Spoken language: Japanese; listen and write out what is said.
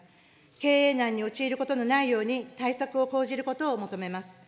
経営難に陥ることのないように、対策を講じることを求めます。